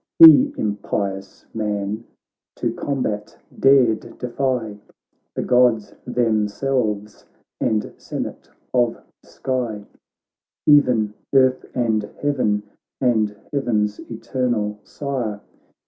He, impious man, to combat dared defy The Gods themselves, and senate of the sky, E'en earth and heaven, and heaven's eternal sire.